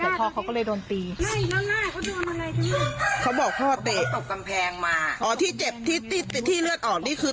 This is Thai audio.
แต่พ่อเขาก็เลยโดนตีเขาบอกพ่อตีตกตำแพงมาอ๋อที่เจ็บที่ที่ที่เลือดออกนี่คือ